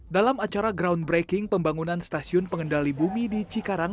dalam acara groundbreaking pembangunan stasiun pengendali bumi di cikarang